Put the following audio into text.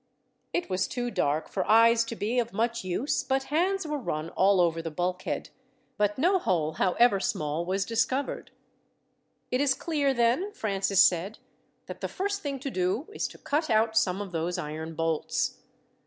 It was too dark for eyes to be of much use, but hands were run all over the bulkhead. But no hole, however small, was discovered. "It is clear, then," Francis said, "that the first thing to do is to cut out some of those iron bolts.